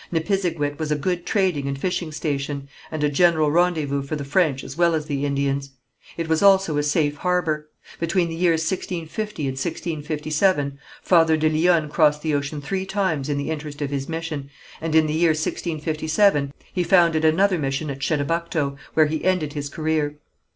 Nipisiguit was a good trading and fishing station, and a general rendezvous for the French as well as the Indians; it was also a safe harbour. Between the years 1650 and 1657, Father de Lyonne crossed the ocean three times in the interest of his mission, and in the year 1657 he founded another mission at Chedabucto, where he ended his career.